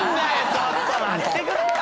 ちょっと待ってくれよ！